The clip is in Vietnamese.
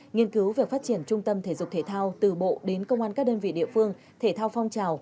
nghiên cứu về phát triển trung tâm thể dục thể thao từ bộ đến công an các đơn vị địa phương thể thao phong trào